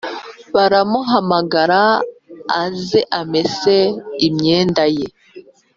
Baramuhamagara azamese imyenda ye